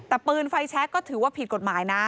แต่ปืนไฟแชคก็ถือว่าผิดกฎหมายนะ